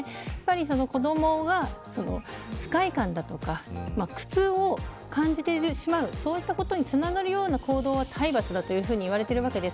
子どもが不快感だとか苦痛を感じてしまうそういったことにつながるような行動は体罰だというふうに言われています。